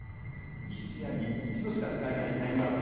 １試合に一度しか使えないタイムアウト。